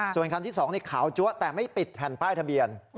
ส่วนคันที่๒ขาวจั๊วแต่ไม่ติดแผ่นป้ายทะเบียน